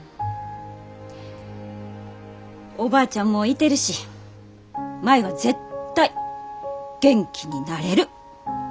おばあちゃんもいてるし舞は絶対元気になれる。